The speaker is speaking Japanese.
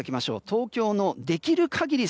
東京のできる限り